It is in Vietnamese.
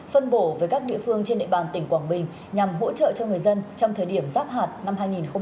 phân bổ với các địa phương trên địa bàn tỉnh quảng bình nhằm hỗ trợ cho người dân trong thời điểm giáp hạt năm hai nghìn hai mươi